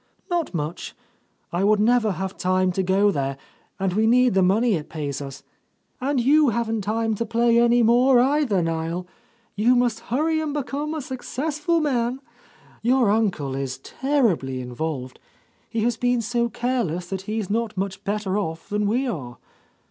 "Not much. I would never have time to go there, and we need the money it pays us. And you haven't time to play any more either, Niel. You must hurry — 1 1 . 1 — A Lost Lady and become a successful man. Your uncle is ter ribly involved. He has been so careless that he's not much better off than we are.